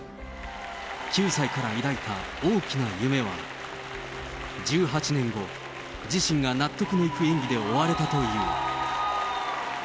９歳から抱いた大きな夢は、１８年後、自身が納得のいく演技で終われたという。